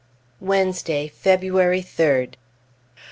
Wednesday, February 3d.